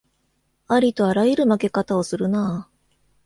ありとあらゆる負け方をするなあ